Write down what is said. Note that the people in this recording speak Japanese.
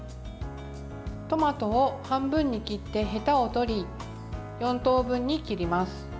トマトを半分に切ってへたを取り、４等分に切ります。